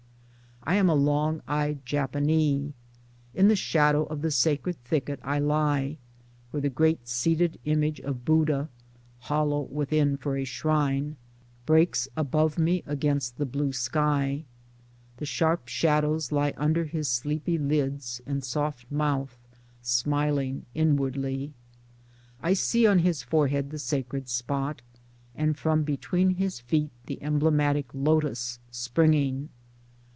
I am a long eyed Japanee. In the shadow of the sacred thicket I lie — where the great seated image of Buddha (hollow within for a shrine) breaks above me against the blue sky. The sharp shadows lie under his sleepy lids and soft mouth smiling inwardly. I see on his forehead the sacred spot, and from between his feet the emblematic lotus springing.